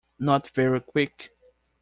Not very quick.